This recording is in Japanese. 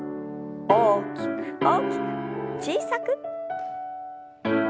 大きく大きく小さく。